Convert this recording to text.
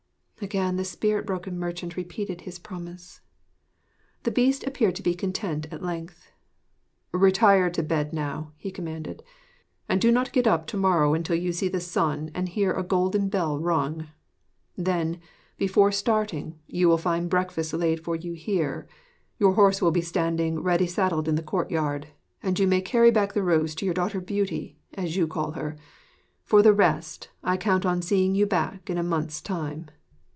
Again the spirit broken merchant repeated his promise. The Beast appeared to be content at length. 'Retire to bed now,' he commanded, 'and do not get up to morrow until you see the sun and hear a golden bell rung. Then, before starting, you will find breakfast laid for you here; your horse will be standing ready saddled in the courtyard; and you may carry back the rose to your daughter Beauty as you call her. For the rest, I count on seeing you back in a month's time.